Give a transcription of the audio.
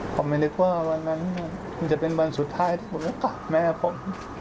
ผมไม่นึกว่าวันนั้นมันจะเป็นวันสุดท้ายที่ผมจะกอดแม่ผม